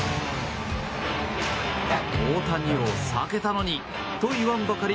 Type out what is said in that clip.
大谷を避けたのに！と言わんばかり。